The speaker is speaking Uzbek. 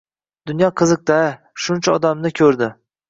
Dunyo qiziq-da, shuncha odamni ko‘rdi